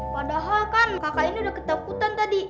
padahal kan kakak ini udah ketakutan tadi